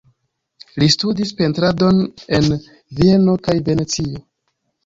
Li studis pentradon en Vieno kaj Venecio.